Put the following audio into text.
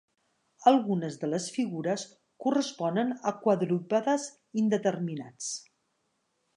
Algunes de les figures corresponen a quadrúpedes indeterminats.